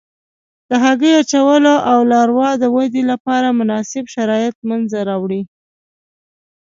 د هګۍ اچولو او لاروا ودې لپاره مناسب شرایط منځته راوړي.